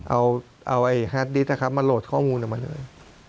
เอาฮาดดิสนะครับมาโหลดข้อมูลออกมาเลย